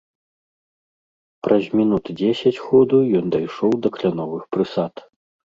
Праз мінут дзесяць ходу ён дайшоў да кляновых прысад.